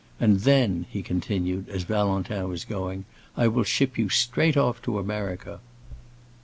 And then," he continued, as Valentin was going, "I will ship you straight off to America."